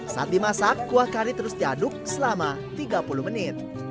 saat dimasak kuah kari terus diaduk selama tiga puluh menit